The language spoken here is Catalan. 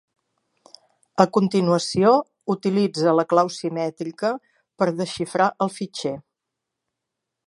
A continuació, utilitza la clau simètrica per desxifrar el fitxer.